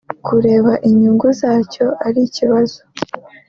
kureba inyungu za cyo ari ikibazo